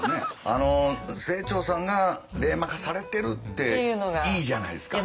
あの清張さんが冷マ化されてるっていいじゃないですか。